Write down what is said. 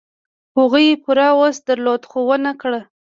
هغوی پوره وس درلود، خو و نه کړ.